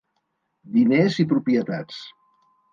diners i propietats.